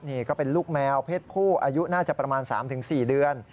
นี่ก็เป็นลูกแมวเพศผู้อายุน่าจะประมาณ๓๔เดือน